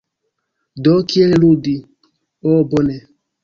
Do. "Kiel ludi". Ho bone.